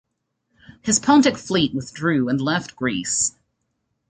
His Pontic fleet withdrew and left Greece.